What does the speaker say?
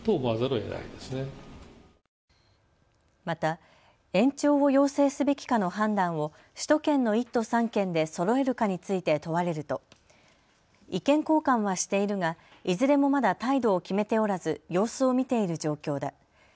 また延長を要請すべきかの判断を首都圏の１都３県でそろえるかについて問われると意見交換はしているがいずれもまだ態度を決めておらず様子を見ている状況だ。